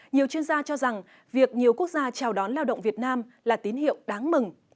nhiều chuyên gia cho rằng việc nhiều quốc gia chào đón lao động việt nam là tín hiệu đáng mừng